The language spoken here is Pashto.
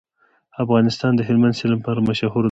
افغانستان د هلمند سیند لپاره مشهور دی.